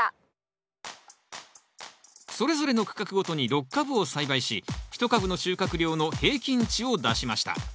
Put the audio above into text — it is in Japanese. それぞれの区画ごとに６株を栽培し１株の収穫量の平均値を出しました。